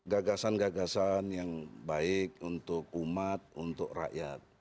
gagasan gagasan yang baik untuk umat untuk rakyat